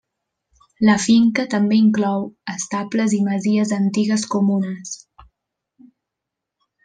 La finca també inclou, estables i masies antigues comunes.